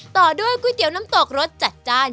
ต่อด้วยก๋วยเตี๋ยวน้ำตกรสจัดจ้าน